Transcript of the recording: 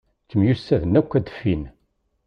Ttemyussaden akk ad d-ffin.